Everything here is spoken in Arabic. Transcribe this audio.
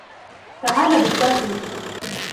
تعالَ بالداخل.